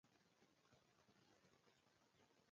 ګډین یو پېړ وړین پرتوګ دی.